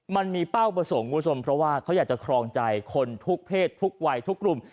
มันมีเป้าประสงค์ว่าเพราะว่าเขาอยากจะครองใจคนทุกเทศทุกวัยทุกกลุ่ม